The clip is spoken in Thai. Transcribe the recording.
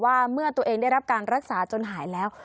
ว่าเมื่อตัวเองได้รับการรักษาจนหายแล้ว